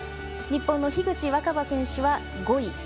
日本の樋口新葉選手は５位。